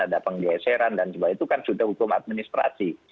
ada penggeseran dan sebagainya itu kan sudah hukum administrasi